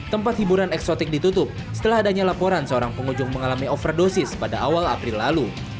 tempat hiburan eksotik ditutup setelah adanya laporan seorang pengunjung mengalami overdosis pada awal april lalu